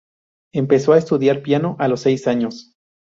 Empezó a estudiar piano a los seis años.